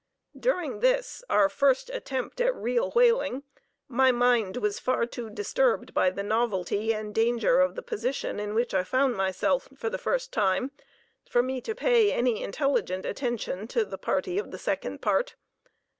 During this, our first attempt at real whaling, my mind was far too disturbed by the novelty and danger of the position in which I found myself for the first time, for me to pay any intelligent attention to the party of the second part.